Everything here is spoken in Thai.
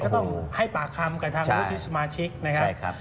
ก็ต้องให้ปากคำกับทางวุฒิสมาชิกนะครับ